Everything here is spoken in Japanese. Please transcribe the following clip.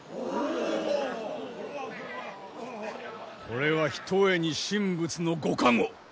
これはひとえに神仏のご加護！